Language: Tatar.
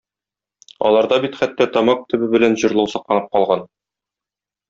Аларда бит хәтта тамак төбе белән җырлау сакланып калган.